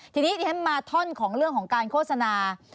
ทีนี้ที่ฉันมาท่อนของเรื่องของการโฆษณา